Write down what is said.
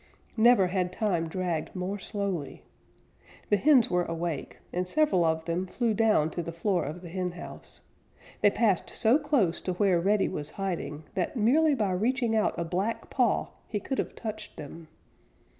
Never had time dragged more slowly. The hens were awake, and several of them flew down to the floor of the henhouse. They passed so close to where Reddy was hiding that merely by reaching out a black paw he could have touched them.